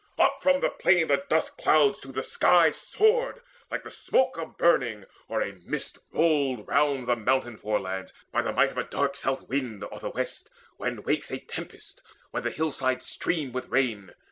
Up from the plain the dust clouds to the sky Soared, like the smoke of burning, or a mist Rolled round the mountain forelands by the might Of the dark South wind or the West, when wakes A tempest, when the hill sides stream with rain.